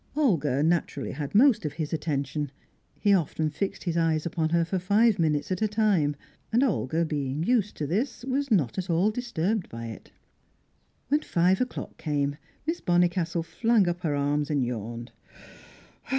Olga naturally had most of his attention; he often fixed his eyes upon her for five minutes at a time, and Olga, being used to this, was not at all disturbed by it. When five o'clock came, Miss Bonnicastle flung up her arms and yawned.